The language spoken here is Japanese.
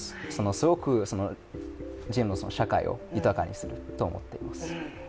すごく社会を豊かにすると思ってます。